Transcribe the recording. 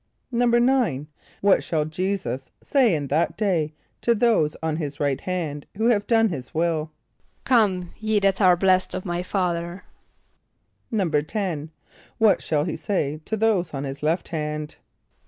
= =9.= What shall J[=e]´[s+]us say in that day to those on his right hand, who have done his will? ="Come, ye that are blessed of my Father."= =10.= What shall he say to those on his left hand?